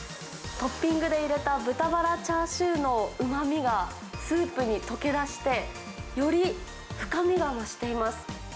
トッピングで入れた豚バラチャーシューのうまみがスープに溶け出して、より深みが増しています。